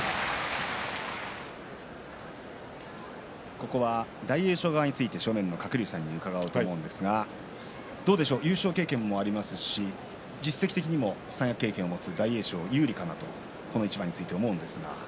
ここは大栄翔側について正面の鶴竜さんに伺おうと思うんですが優勝経験もありますし実績的にも三役経験を持つ大栄翔有利かなとこの一番について思うんですが。